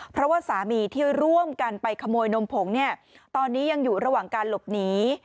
เพราะว่าสามีที่ร่วมกันไปขโมยนมผงเนี่ยตอนนี้ยังอยู่ระหว่างการหลบหนี